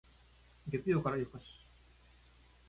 月曜から夜更かし